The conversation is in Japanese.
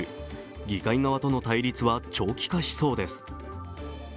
議会側との対立は長期化しそうです。